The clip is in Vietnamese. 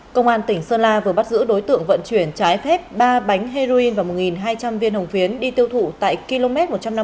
công an tỉnh sơn la vừa bắt giữ đối tượng vận chuyển trái phép ba bánh heroin và một hai trăm linh viên hồng phiến đi tiêu thụ tại km một trăm năm mươi